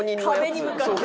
壁に向かって。